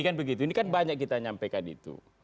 kan begitu ini kan banyak kita nyampaikan itu